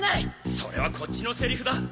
それはこっちのセリフだ。